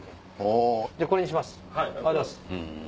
これにします。